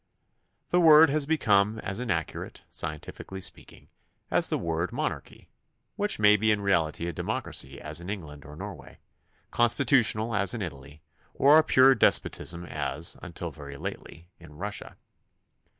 The word has become as inaccurate, scientifically speaking, as the word mon archy, which may be in reality a democracy as in Eng land or Norway, constitutional as in Italy, or a pure despotism as, until veiy lately, in Russia.